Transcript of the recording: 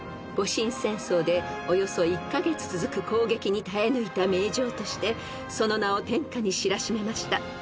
［戊辰戦争でおよそ１カ月続く攻撃に耐え抜いた名城としてその名を天下に知らしめました］